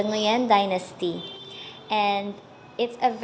và tôi rất thích